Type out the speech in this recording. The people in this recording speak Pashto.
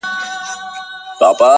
اوس ولي نه وايي چي ښار نه پرېږدو~